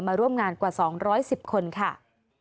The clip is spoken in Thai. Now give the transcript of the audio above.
ร่วมงานกว่า๒๑๐คนค่ะ